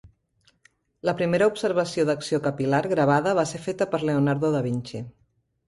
La primera observació d'acció capil·lar gravada va ser feta per Leonardo da Vinci.